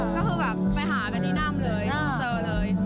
ก็คือแบบไปหากันที่นั่นเลยเจอเลย